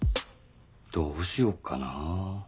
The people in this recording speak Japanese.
どうしよっかなぁ？